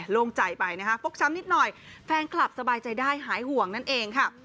โล่งใจไปนะคะฟกช้ำนิดหน่อยแฟนคลับสบายใจได้หายห่วงนั่นเองค่ะ